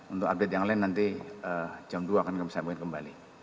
untuk update yang lain nanti jam dua akan kami sampaikan kembali